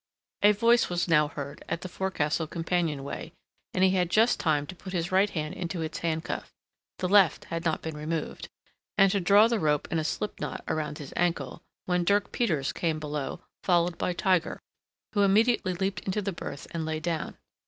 A voice was now heard at the forecastle companion way, and he had just time to put his right hand into its handcuff (the left had not been removed) and to draw the rope in a slipknot around his ankle, when Dirk Peters came below, followed by Tiger, who immediately leaped into the berth and lay down.